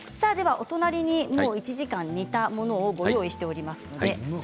お隣に１時間煮たものをご用意しています。